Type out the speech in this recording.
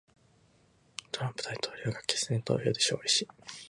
トランプ大統領が決選投票で勝利し、アメリカ株は上昇傾向にあります。